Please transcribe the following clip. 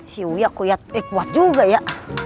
si uya kuyat eh kuat juga ya